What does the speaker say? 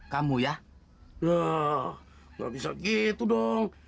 kamu ya nggak bisa gitu dong